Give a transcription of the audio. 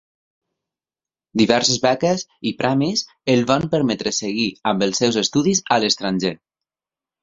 Diverses beques i premis el van permetre seguir amb els seus estudis a l'estranger.